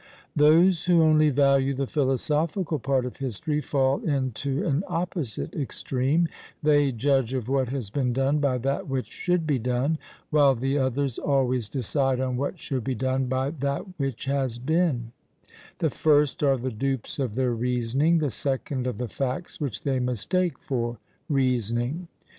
Those who only value the philosophical part of history fall into an opposite extreme; they judge of what has been done by that which should be done; while the others always decide on what should be done by that which has been: the first are the dupes of their reasoning, the second of the facts which they mistake for reasoning.